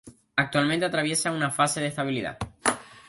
Actualmente atraviesa una fase de estabilidad.